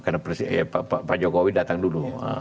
karena pak jokowi datang dulu